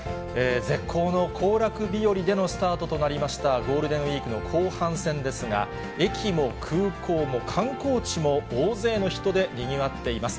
絶好の行楽日和でのスタートとなりました、ゴールデンウィークの後半戦ですが、駅も空港も観光地も、大勢の人でにぎわっています。